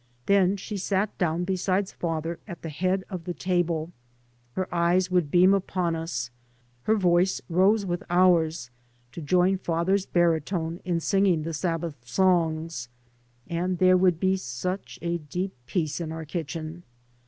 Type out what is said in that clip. Then she sat down beside father at the head of the table. Her eyes would beam upon us, her voice rose with ours to join father's baritone in singing the Sabbath songs, and there would be such a deep peace in our kitchen.